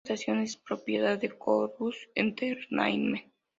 Esta estación es propiedad de Corus Entertainment.